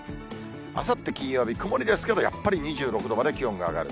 あさって金曜日、曇りですけど、やっぱり２６度まで気温が上がる。